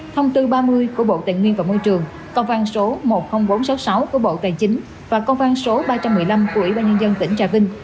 thông tư ba mươi của bộ tài nguyên và môi trường công văn số một mươi nghìn bốn trăm sáu mươi sáu của bộ tài chính và công an số ba trăm một mươi năm của ủy ban nhân dân tỉnh trà vinh